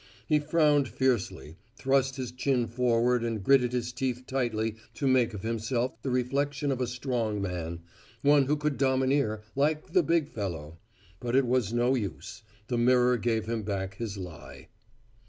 He frowned fiercely, thrust his chin forward and gritted his teeth tightly to make of himself the reflection of a strong man one who could domineer, like the big fellow. But it was no use the mirror gave him back his lie.